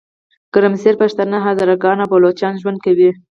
ګرمسیرکې پښتانه، هزاره ګان او بلوچان ژوند کوي.